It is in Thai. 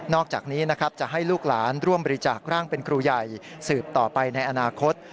อกจากนี้นะครับจะให้ลูกหลานร่วมบริจาคร่างเป็นครูใหญ่สืบต่อไปในอนาคต